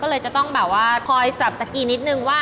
ก็เลยจะต้องแบบว่าคอยสลับสกีนิดนึงว่า